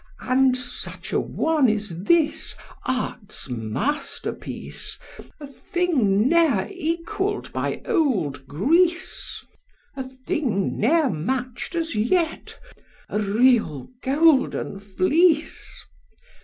And such a one is this, art's masterpiece, A thing ne'er equall'd by old Greece: A thing ne'er match'd as yet, a real Golden Fleece.